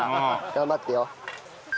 頑張ってよ。